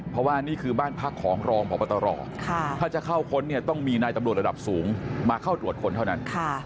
เพราะว่านี่คือบ้านพักของรองพบตรถ้าจะเข้าค้นเนี่ยต้องมีนายตำรวจระดับสูงมาเข้าตรวจค้นเท่านั้น